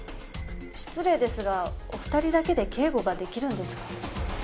失礼ですがお二人だけで警護ができるんですか？